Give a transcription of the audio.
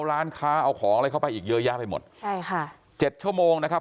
ร้านค้าเอาของอะไรเข้าไปอีกเยอะแยะไปหมดใช่ค่ะเจ็ดชั่วโมงนะครับ